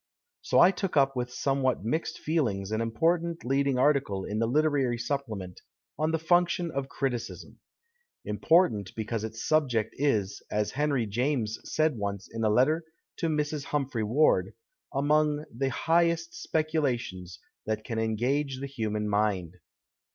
So I took up with somewhat mixed feelings an important leading article in tiie Literary Supplement on " The Function of Criticism." Important because its subject is, as Henry James said once in a letter to Mrs. Humphry Ward, among " the highest speculations that can engage the human mind."